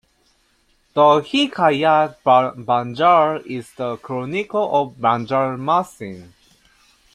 The Hikayat Banjar is the chronicle of Banjarmasin.